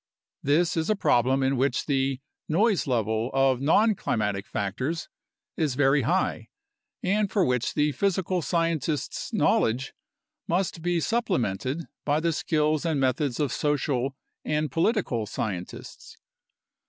This is a problem in which the "noise level" of nonclimatic factors is very high and for which the physical scientist's knowledge must be supplemented by the skills and methods of social and political scientists.